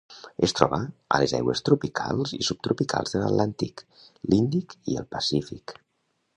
Es troba a les aigües tropicals i subtropicals de l'Atlàntic, l'Índic i el Pacífic.